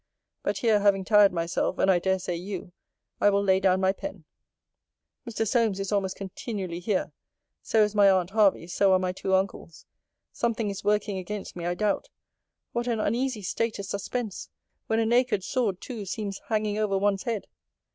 But here, having tired myself, and I dare say you, I will lay down my pen. Mr. Solmes is almost continually here: so is my aunt Hervey: so are my two uncles. Something is working against me, I doubt. What an uneasy state is suspense! When a naked sword, too, seems hanging over one's head!